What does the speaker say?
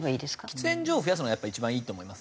喫煙所を増やすのが一番いいと思いますね。